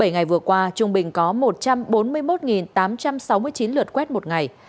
bảy ngày vừa qua trung bình có một trăm bốn mươi một tám trăm sáu mươi chín lượt quét một ngày